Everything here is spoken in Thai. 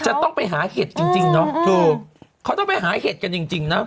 จะต้องไปหาเห็ดจริงเนอะเขาต้องไปหาเห็ดกันจริงเนอะ